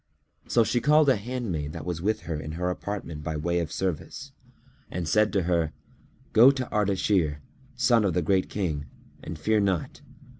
So she called a handmaid that was with her in her apartment by way of service, and said to her, "Go to Ardashir, son of the Great King, and fear not.